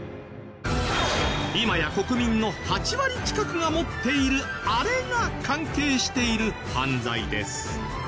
今や国民の８割近くが持っているあれが関係している犯罪です。